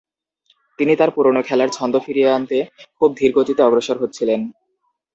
তিনি তার পুরনো খেলার ছন্দ ফিরিয়ে আনতে খুব ধীরগতিতে অগ্রসর হচ্ছিলেন।